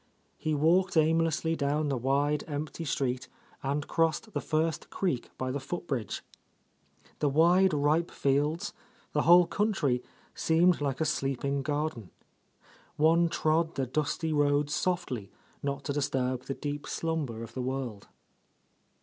He walked aimlessly down the wide, empty street, and crossed the first creek by the foot bridge. The wide ripe fields, the whole country, seemed like a sleeping garden. One trod the dusty roads softly, not to disturb the deep slumber of the world.